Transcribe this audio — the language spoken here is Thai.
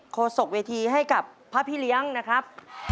โศกเวทีให้กับพระพี่เลี้ยงนะครับ